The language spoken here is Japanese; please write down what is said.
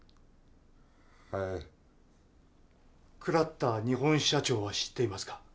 クラッター日本支社長は知っていますか？